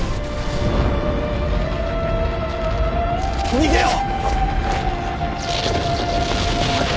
逃げよう！